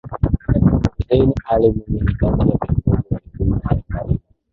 Hussein Ali Mwinyi ni kati ya viongozi waliodumu serikalini